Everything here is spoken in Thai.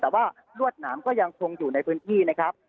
แต่ว่ารวดหนามก็ยังคงอยู่ในพื้นที่นะครับ